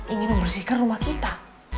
ingin membersihkan rumah kita